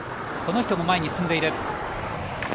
この人も前に進んでいる。